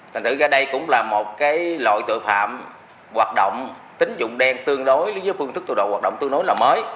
thành tự ra đây cũng là một cái loại tội phạm hoạt động tính dụng đen tương đối với phương thức tội độ hoạt động tương đối là mới